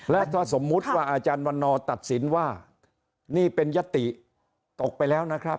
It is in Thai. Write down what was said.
และถ้าสมมุติว่าอาจารย์วันนอตัดสินว่านี่เป็นยติตกไปแล้วนะครับ